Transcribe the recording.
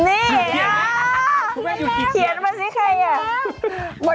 ฮะนี่อ้าวเขียนมาสิเขียนมาสิเขียนมาสิขอบคุณครับ